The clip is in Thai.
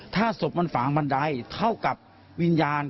ถ้าศพมันฝางบันไดเท่ากับวิญญาณ